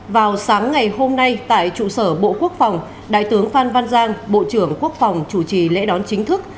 vào sáng ngày hôm nay tại trụ sở bộ quốc phòng đại tướng phan văn giang bộ trưởng quốc phòng chủ trì lễ đón chính thức